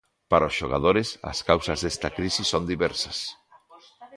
Para os xogadores, as causas desta crise son diversas.